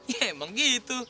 ya emang gitu